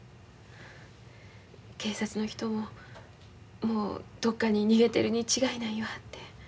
警察の人ももうどっかに逃げてるに違いない言わはって。